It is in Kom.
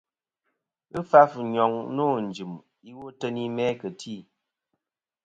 Ghɨ fàf ɨnyoŋ nô ɨnjɨm iwo ateyni mæ kɨ tî.